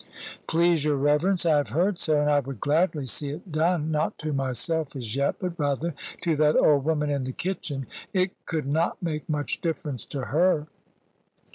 "Please your reverence, I have heard so; and I would gladly see it done not to myself as yet, but rather to that old woman in the kitchen. It could not make much difference to her."